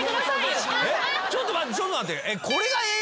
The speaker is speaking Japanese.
ちょっと待ってちょっと待って。